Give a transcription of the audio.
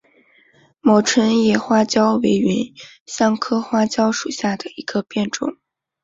毛椿叶花椒为芸香科花椒属下的一个变种。